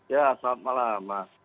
ya selamat malam